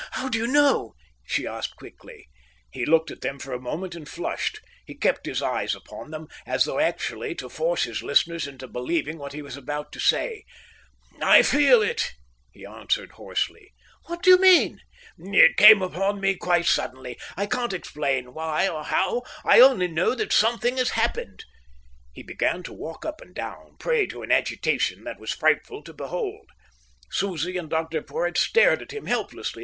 "How do you know?" she asked quickly. He looked at them for a moment and flushed. He kept his eyes upon them, as though actually to force his listeners into believing what he was about to say. "I feel it," he answered hoarsely. "What do you mean?" "It came upon me quite suddenly, I can't explain why or how. I only know that something has happened." He began again to walk up and down, prey to an agitation that was frightful to behold. Susie and Dr Porhoët stared at him helplessly.